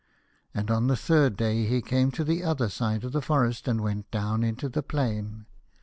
And on the third day he came to the other side of the forest and went down into the plain.